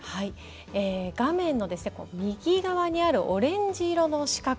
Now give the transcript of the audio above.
画面の右側にあるオレンジ色の四角